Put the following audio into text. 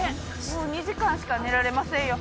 もう２時間しか寝られませんよ。